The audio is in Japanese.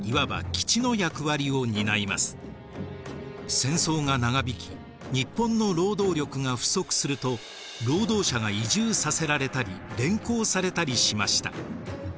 戦争が長引き日本の労働力が不足すると労働者が移住させられたり連行されたりしました。